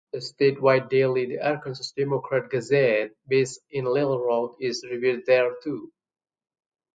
A statewide daily, the "Arkansas Democrat-Gazette", based in Little Rock, is distributed there too.